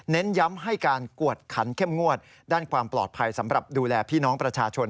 ย้ำให้การกวดขันเข้มงวดด้านความปลอดภัยสำหรับดูแลพี่น้องประชาชน